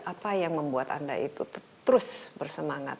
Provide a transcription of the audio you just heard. apa yang membuat anda itu terus bersemangat